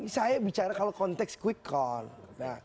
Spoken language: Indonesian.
saya bicara kalau konteks quick call